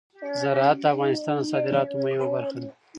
زراعت د افغانستان د صادراتو مهمه برخه ده.